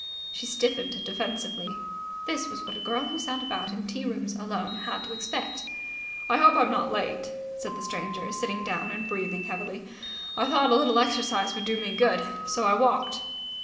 She stiffened defensively. This was what a girl who sat about in tea rooms alone had to expect. "Hope I'm not late," said the stranger, sitting down and breathing heavily. "I thought a little exercise would do me good, so I walked."